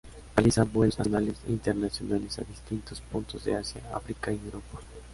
Realiza vuelos nacionales, e internacionales a distintos puntos de Asia, África y Europa.